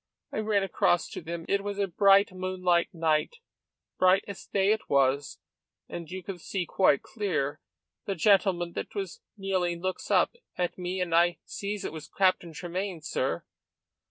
I ran across to them. It was a bright, moonlight night bright as day it was, and you could see quite clear. The gentleman that was kneeling looks up, at me, and I sees it was Captain Tremayne, sir.